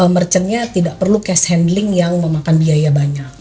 merchannya tidak perlu cash handling yang memakan biaya banyak